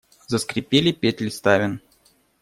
Заскрипели петли ставен.